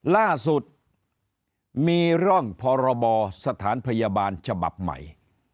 ล่าสุดมีร่องพรบสถานพยาบาลฉบับใหม่